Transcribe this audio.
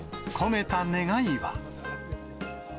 込めた願いは。